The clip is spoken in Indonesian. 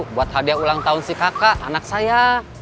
buat hadiah ulang tahun si kakak anak saya